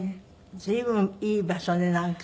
随分いい場所ねなんか。